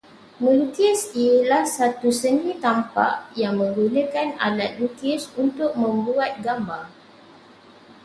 Melukis ialah suatu seni tampak yang menggunakan alat lukis untuk membuat gambar